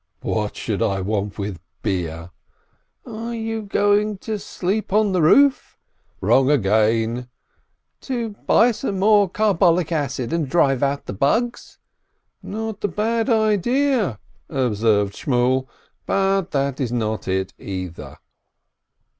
"What should I want with beer ?" "Are you going to sleep on the roof?" "Wrong again !" "To buy some more carbolic acid, and drive out the bugs?" "Not a bad idea," observed Shmuel, "but that is not it, either."